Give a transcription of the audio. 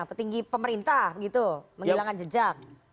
petinggi pemerintah begitu menghilangkan jejak